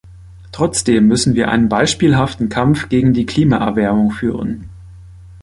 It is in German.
Trotzdem müssen wir einen beispielhaften Kampf gegen die Klimaerwärmung führen.